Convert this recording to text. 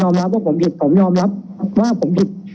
ตอนนี้คือผมยอมรับว่าผมผิดผมยอมรับว่าผมผิด